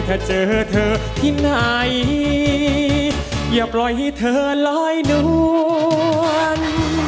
ถ้าเจอเธอที่ไหนอย่าปล่อยให้เธอลอยนวล